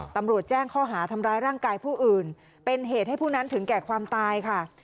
ตำรวจแจ้งข้อหาทำร้ายร่างกายผู้อื่นเป็นเหตุให้ผู้นั้นถึงแก่ความตายค่ะ